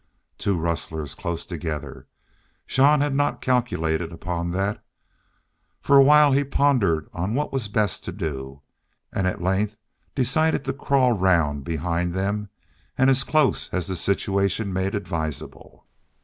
Two rustlers close together! Jean had not calculated upon that. For a little while he pondered on what was best to do, and at length decided to crawl round behind them, and as close as the situation made advisable.